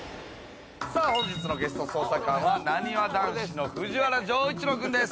本日のゲスト捜査官は、なにわ男子の藤原丈一郎くんです。